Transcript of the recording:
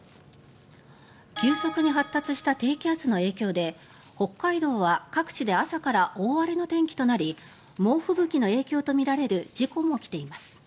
急速に発達した低気圧の影響で北海道は各地で朝から大荒れの天気となり猛吹雪の影響とみられる事故も起きています。